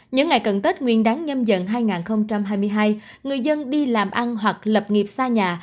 những ngày cận tết nguyên đáng nhâm dần hai nghìn hai mươi hai người dân đi làm ăn hoặc lập nghiệp xa nhà